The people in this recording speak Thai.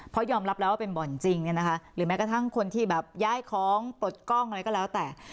เพราะยอมรับแล้วว่าเป็นบ่อนจริงเนี่ยนะคะหรือแม้กระทั่งคนที่แบบย้ายของปลดกล้องอะไรก็แล้วแต่